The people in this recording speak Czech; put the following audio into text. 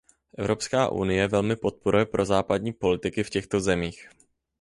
Evropská unie velmi podporuje prozápadní politiky v těchto zemích.